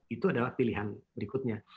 itu adalah pilihan berikutnya